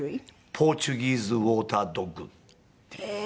ポーチュギーズ・ウォーター・ドッグっていう。